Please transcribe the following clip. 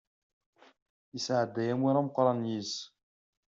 Yesɛedday amur ameqqran d yid-s.